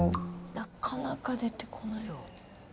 なかなか出てこない。